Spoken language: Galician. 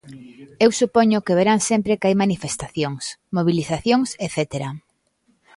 Eu supoño que verán sempre que hai manifestacións, mobilizacións etcétera.